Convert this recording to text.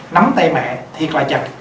nắm tay mẹ thiệt là chặt